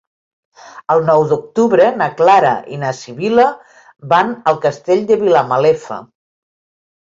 El nou d'octubre na Clara i na Sibil·la van al Castell de Vilamalefa.